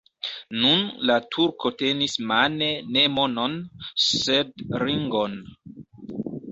Nun la turko tenis mane ne monon, sed ringon.